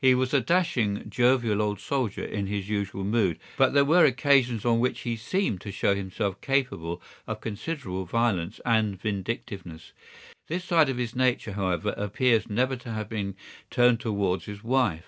He was a dashing, jovial old soldier in his usual mood, but there were occasions on which he seemed to show himself capable of considerable violence and vindictiveness. This side of his nature, however, appears never to have been turned towards his wife.